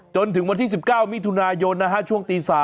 จนถึงวันที่๑๙มิถุนายนช่วงตี๓